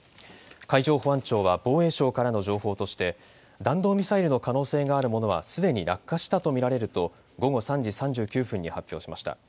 海上保安庁は防衛省からの情報として弾道ミサイルの可能性があるものはすでに落下したと見られると午後３時３９分に発表しました。